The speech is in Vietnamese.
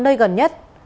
nơi gần nhất